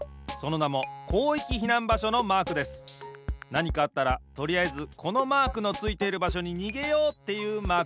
なにかあったらとりあえずこのマークのついている場所ににげようっていうマークです。